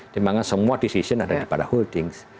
dimana semua decision ada daripada holding